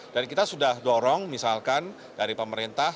dan kita sudah dorong misalkan dari pemerintah